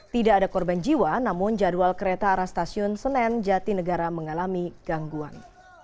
tidak ada korban jiwa namun jadwal kereta arah stasiun senen jatinegara mengalami gangguan